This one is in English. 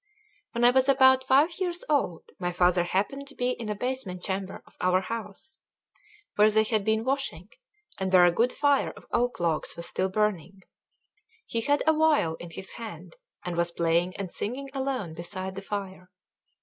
When I was about five years old my father happened to be in a basement chamber of our house, where they had been washing, and where a good fire of oak logs was still burning; he had a viol in his hand, and was playing and singing alone beside the fire.